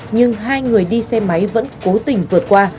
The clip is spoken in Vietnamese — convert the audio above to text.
nhưng hai người đi xe máy vẫn cố tình vượt qua